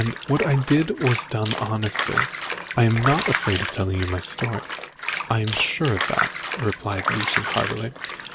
What I did was done honestly. I am not afraid of telling my story." "I am sure of that," said Lucian heartily.